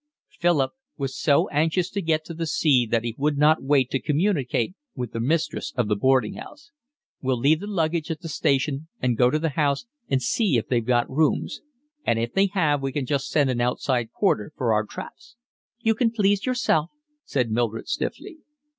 Philip was so anxious to get to the sea that he would not wait to communicate with the mistress of the boarding house. "We'll leave the luggage at the station and go to the house and see if they've got rooms, and if they have we can just send an outside porter for our traps." "You can please yourself," said Mildred stiffly.